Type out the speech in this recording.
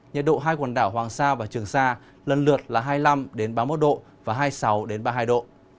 nhiệt độ hai quần đảo hoàng sa và trường sa lần lượt là hai mươi năm ba mươi một độ và hai mươi sáu ba mươi hai độ